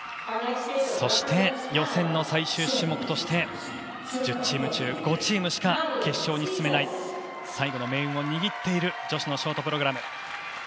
そして予選の最終種目として１０チーム中５チームしか決勝に進めない最後の命運を握る女子のショートプログラム。